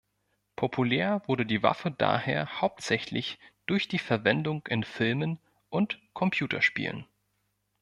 Populär wurde die Waffe daher hauptsächlich durch die Verwendung in Filmen und Computerspielen.